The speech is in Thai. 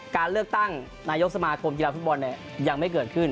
การเลือกตั้งนายกสมาคมกีฬาฟุตบอลยังไม่เกิดขึ้น